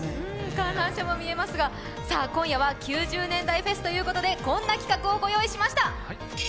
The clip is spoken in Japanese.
観覧車も見えますが、今夜は９０年代フェスということでこんな企画をご用意しました。